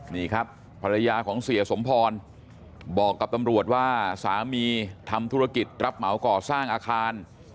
นี่ครับภรรยาของเสียสมพรบอกกับตำรวจว่าสามีทำธุรกิจรับเหมาก่อสร้างอาคาร